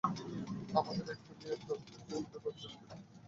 আমাদের একটা মেয়ে দরকার যে আমাদের বাচ্চার ভিতরে খেয়াল রাখবে।